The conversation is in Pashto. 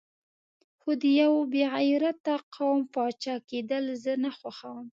خو د یو بې غیرته قوم پاچا کېدل زه نه خوښوم.